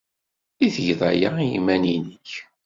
I tgeḍ aya i yiman-nnek?